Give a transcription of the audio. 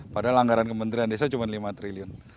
padahal anggaran kementerian desa cuma lima triliun